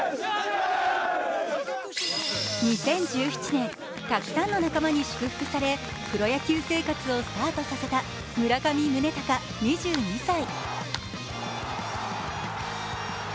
２０１７年、たくさんの仲間に祝福されプロ野球生活をスタートさせた村上宗隆２２歳。